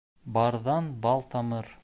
Барҙан бал тамыр.